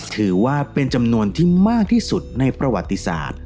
ถือว่าเป็นจำนวนที่มากที่สุดในประวัติศาสตร์